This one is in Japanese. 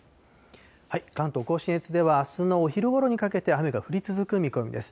関東甲信越では、あすのお昼ごろにかけて雨が降り続く見込みです。